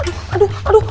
aduh aduh aduh